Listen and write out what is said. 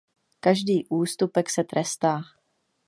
Každý ústupek se trestá.